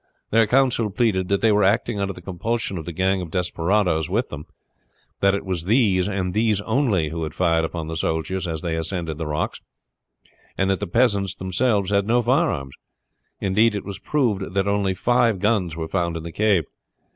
Their counsel pleaded that they were acting under the compulsion of the gang of desperadoes with them, that it was these and these only who had fired upon the soldiers as they ascended the rocks, and that the peasants themselves had no firearms; indeed, it was proved that only five guns were found in the cave.